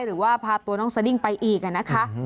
หรือว่าพาตัวน้องสดิ้งไปอีกนะคะ